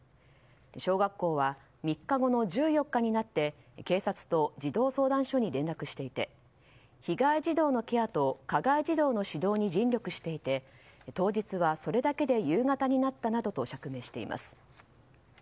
小学校は３日後の１４日になって警察と児童相談所に連絡していて被害児童のケアと加害児童の指導に尽力していて当日はそれだけで夕方になったなどと釈明しています。